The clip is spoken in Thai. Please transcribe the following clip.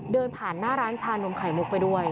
เดินผ่านหน้าร้านชานมไข่มุกไปด้วย